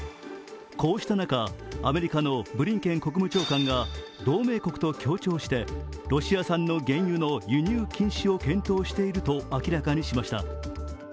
こうした中、アメリカのブリンケン国務長官が同盟国と協調して、ロシア産の原油の輸入禁止を検討していると明らかにしました。